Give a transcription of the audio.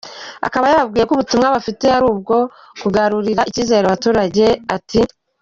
Akaba yababwiye ko ubutumwa bafite ari ubwo kugarurira icyizere abaturage, ati ".